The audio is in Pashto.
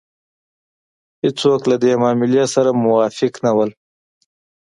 هېڅوک له دې معاملې سره موافق نه وو.